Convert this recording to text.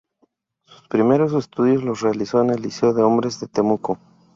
Sus primeros estudios los realizó en el Liceo de Hombres de Temuco.